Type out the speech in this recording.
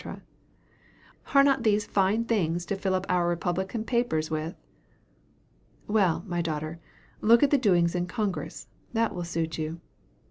Are not these fine things to fill up our republican papers with?" "Well, my daughter, look at the doings in Congress that will suit you."